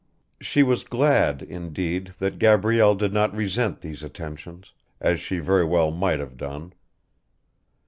She was glad, indeed, that Gabrielle did not resent these attentions, as she very well might have done.